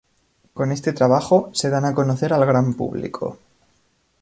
Con este trabajo, se dan a conocer al gran público.